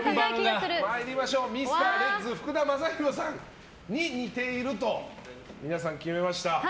ミスターレッズ福田正博さんに似ていると皆さんが決めました。